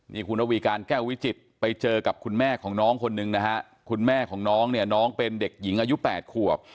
นี่คุณระวีการแก้ววิจิตรไปเจอกับคุณแม่ของน้องคนหนึ่งนะฮะคุณแม่ของน้องเนี่ยน้องเป็นเด็กหญิงอายุ๘ขวบ